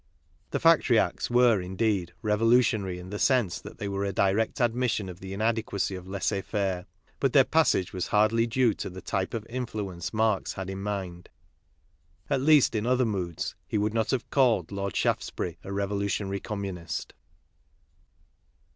The Factory Acts were, indeed, revolutionary in the sense that they were a direct admission of the inadequacy of laissez faire; but their passage was hardly due to the type of influence Marx had in mind. At least in other moods he would not have called Lord Shaftesbury a revolutionary Com munist.